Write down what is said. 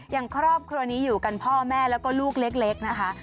อย่างครอบครัวนี้อยู่กันพ่อแม่แล้วก็ลูกเล็กนะคะ